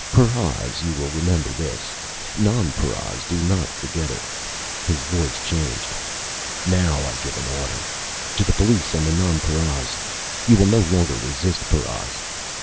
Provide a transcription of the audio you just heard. Paras, you will remember this! Nonparas, do not forget it_!" His voice changed. "_Now I give an order! To the police and to nonparas: You will no longer resist paras!